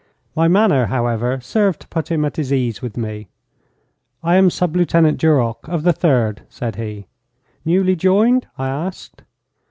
My manner, however, served to put him at his ease with me. 'I am Sub Lieutenant Duroc, of the Third,' said he. 'Newly joined?' I asked.